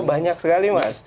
oh banyak sekali mas